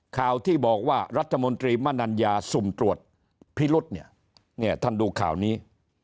ข่าวที่บอกว่ารัฐมนตรีมนัญญาสุ่มตรวจพิรุษเนี่ยท่านดูข่าวนี้